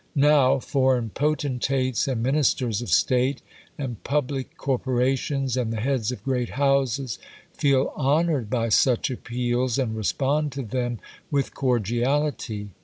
Now, foreign potentates and ministers of State, and public corporations and the heads of great houses, feel honoured by such appeals, and respond to them with cordiality.